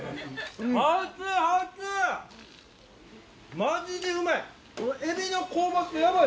マジでうまい！